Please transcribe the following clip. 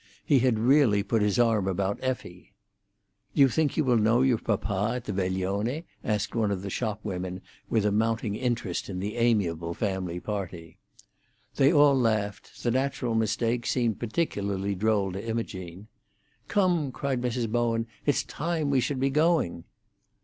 He had really put his arm about Effie. "Do you think you will know your papa at the veglione?" asked one of the shop women, with a mounting interest in the amiable family party. They all laughed; the natural mistake seemed particularly droll to Imogene. "Come," cried Mrs. Bowen; "it's time we should be going."